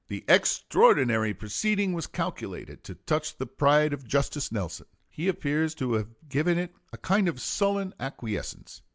The extraordinary proceeding was calculated to touch the pride of Justice Nelson. He appears to have given it a kind of sullen acquiescence.